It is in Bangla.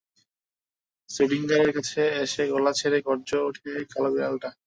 শ্রোডিঙ্গারের কাছে এসে গলা ছেড়ে গর্জে ওঠে কালো বিড়ালটা।